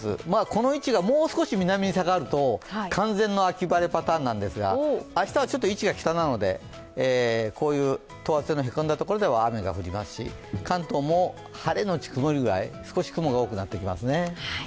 この位置がもう少し南に下がると完全な秋晴れパターンなんですが、明日はちょっと位置が北なのでこういう等圧線のへこんだところでは雨が降りますし、関東も晴れのち曇りぐらい少し雲が多くなってきますね。